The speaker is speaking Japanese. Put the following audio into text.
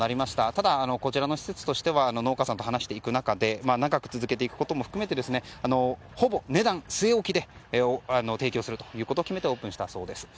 ただ、こちらの施設としては農家さんと話していく中で長く続けていくことも含めてほぼ値段を据え置きで提供することを決めて、オープンしたそうです。